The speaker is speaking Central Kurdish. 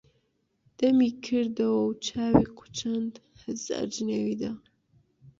دەمی کردوە و چاوی قوچاند، هەزار جنێوی دا: